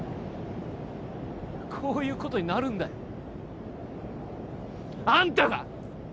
こういうことになるんだよあんたが！